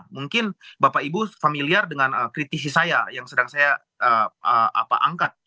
mungkin bapak ibu familiar dengan kritisi saya yang sedang saya angkat